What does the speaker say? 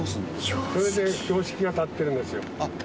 それで標識が立ってるんですよ。